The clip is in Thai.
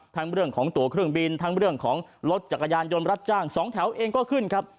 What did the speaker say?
เรื่องของตัวเครื่องบินทั้งเรื่องของรถจักรยานยนต์รับจ้างสองแถวเองก็ขึ้นครับ